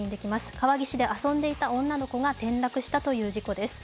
川岸で遊んでいた女の子が転落したという事故です。